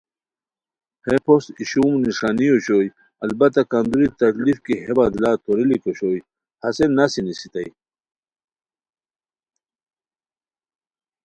ہے پھوست ای شوم نݰانی اوشوئے البتہ کندوری تکلیف کی ہے بدلہ توریلیک اوشونی ہنیسے نسی نیستانی